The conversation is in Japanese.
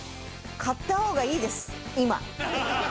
買った方がいいです今。